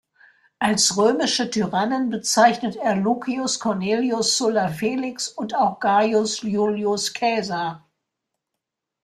Als römische Tyrannen bezeichnet er Lucius Cornelius Sulla Felix und auch Gaius Iulius Caesar.